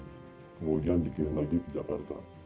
kemudian dikirim lagi ke jakarta